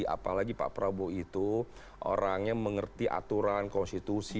apalagi pak prabowo itu orang yang mengerti aturan konstitusi